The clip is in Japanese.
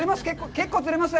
結構釣れます？